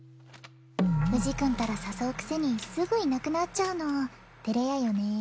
藤くんたら誘うくせにすぐいなくなっちゃうの照れ屋よね